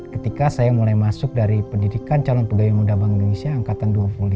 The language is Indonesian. ketika saya mulai masuk dari pendidikan calon pegawai muda bank indonesia angkatan dua puluh lima